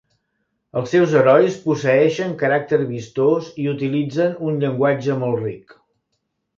Els seus herois posseeixen caràcter vistós i utilitzen un llenguatge molt ric.